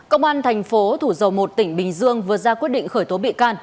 công an thành phố thủ dầu một tỉnh bình dương vừa ra quyết định khởi tố bị can